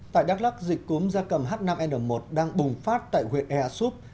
tại đắk lắc dịch cúm da cầm h năm n một đang bùng phát tại huyện ea súp